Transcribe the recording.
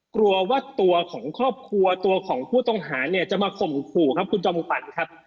กลัวว่าตัวของครอบครัวตัวของผู้ต้องหาเนี่ยจะมาข่มขู่ครับคุณจอมขวัญครับ